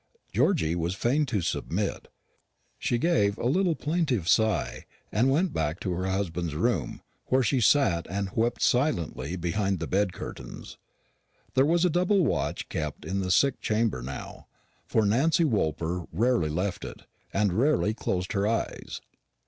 Georgy was fain to submit. She gave a little plaintive sigh, and went back to her husband's room, where she sat and wept silently behind the bed curtains. There was a double watch kept in the sick chamber now; for Nancy Woolper rarely left it, and rarely closed her eyes.